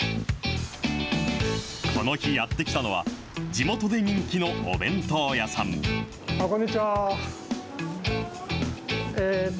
この日やって来たのは、地元で人気のお弁当屋さん。